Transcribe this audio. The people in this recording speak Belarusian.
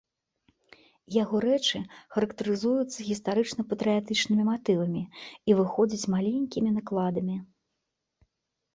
Яго рэчы характарызуюцца гістарычна-патрыятычнымі матывамі і выходзяць маленькімі накладамі.